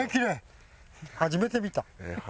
初めて見た。